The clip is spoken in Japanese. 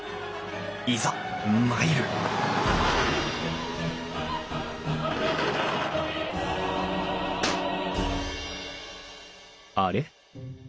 いざ参るあれ？